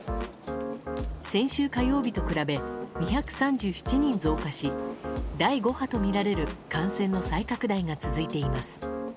先週火曜日と比べ２３７人増加し第５波とみられる感染の再拡大が続いています。